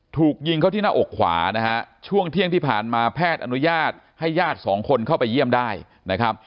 ถูกยิงเข้าที่หน้าอกขวานะฮะช่วงเที่ยงที่ผ่านมาแพทย์อนุญาตให้ญาติสองคนเข้าไปเยี่ยมได้นะครับ